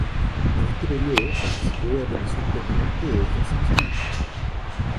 En este período participó de la comisión permanente de Defensa Nacional.